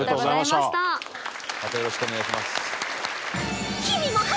またよろしくお願いします。